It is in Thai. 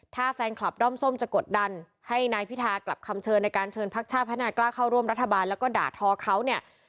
ถ้าแฟนคลับด้อมส้มจะกดดันให้นายพิธากลับคำเชิญในการเชิญพักชาติพัฒนากล้าเข้าร่วมรัฐบาลแล้วก็ด่าทอเขาเนี่ย